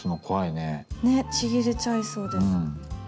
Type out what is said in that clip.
ねえちぎれちゃいそうで。